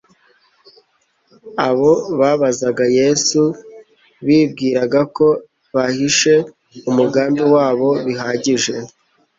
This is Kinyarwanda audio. Abo babazaga Yesu bibwiraga ko bahishe umugambi wabo bihagije;